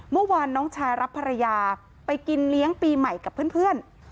เมื่อวานน้องชายรับภรรยาไปกินเลี้ยงปีใหม่กับเพื่อน